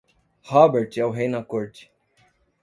Robert é o rei na corte.